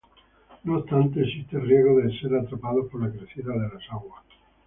No obstante existe el riesgo de ser atrapados por la crecida de las aguas.